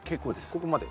ここまで？